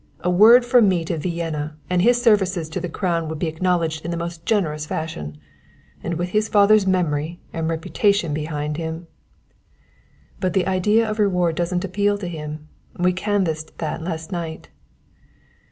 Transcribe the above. A word from me to Vienna and his services to the crown would be acknowledged in the most generous fashion. And with his father's memory and reputation behind him " "But the idea of reward doesn't appeal to him. We canvassed that last night."